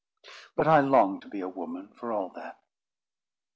But I long to be a woman for all that."